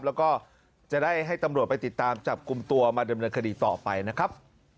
แล้วก็จะได้ให้ตำรวจไปติดตามจับกลุ่มตัวมาดำเนินคดีต่อไปนะครับ